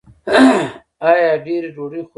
ایا ډیرې ډوډۍ خورئ؟